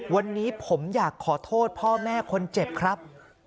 วันนี้ผมอยากขอโทษพ่อแม่คนเจ็บครับ